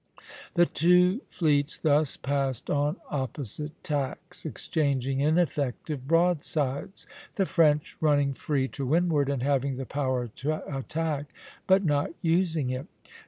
The two fleets thus passed on opposite tacks (C), exchanging ineffective broadsides, the French running free to windward and having the power to attack, but not using it.